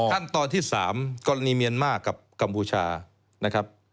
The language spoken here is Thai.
ขั้นตอนที่๓กรณีเมียนมาร์กับกัมพูชานะครับ